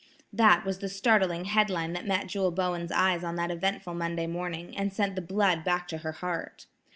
That was the startling head line that met Jewel Bowen's eyes on that eventful Monday morning, and sent the blood back to her heart.